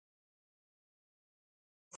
کله چې یو پانګوال یوه اندازه سپما ولري